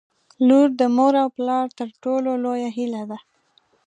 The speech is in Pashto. • لور د مور او پلار تر ټولو لویه هیله ده.